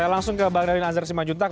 langsung ke bang daniel azhar simanjuntak